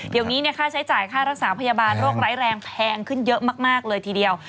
เดี๋ยวนี้ค่าใช้จ่ายค่ารักษาพยาบาลโรคร้ายแรงแพงขึ้นเยอะมากเลยทีเดียว